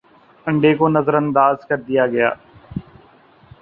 انڈے کو نظر انداز کر دیا گیا